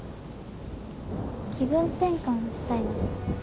気分転換したいな。